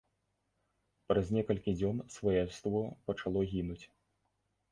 Праз некалькі дзён сваяўство пачало гінуць.